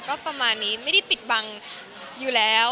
ก็ประมาณนี้ไม่ได้ปิดบังอยู่แล้ว